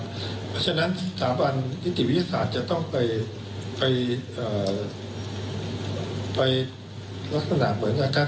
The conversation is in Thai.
เพราะฉะนั้นสถาบันนิติวิทยาศาสตร์จะต้องไปลักษณะเหมือนกับท่าน